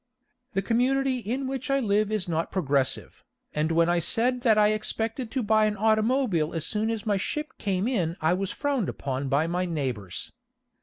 The community in which I live is not progressive, and when I said that I expected to buy an automobile as soon as my ship came in I was frowned upon by my neighbors.